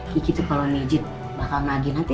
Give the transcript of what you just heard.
kiki tuh kalau nijit bakal nagih nanti